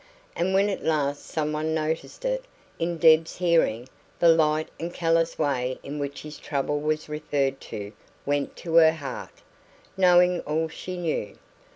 And when at last someone noticed it, in Deb's hearing, the light and callous way in which his trouble was referred to went to her heart knowing all she knew.